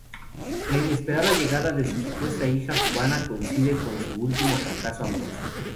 La inesperada llegada de su supuesta hija cubana coincide con su último fracaso amoroso.